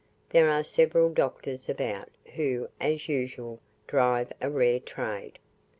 There are several doctors about, who, as usual, drive a rare trade.